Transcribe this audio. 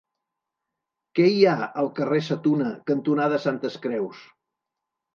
Què hi ha al carrer Sa Tuna cantonada Santes Creus?